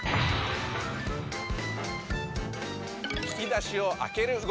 「引き出しを開ける」